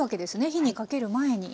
火にかける前に。